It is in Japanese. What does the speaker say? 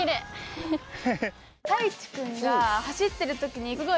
太一君が走ってる時にすごい。